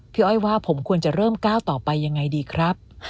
อ้อยว่าผมควรจะเริ่มก้าวต่อไปยังไงดีครับ